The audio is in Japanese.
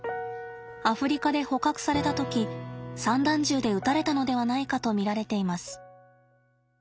アフリカで捕獲された時散弾銃で撃たれたのではないかと見られています。